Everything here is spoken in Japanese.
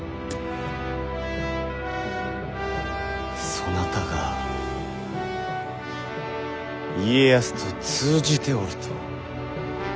そなたが家康と通じておると。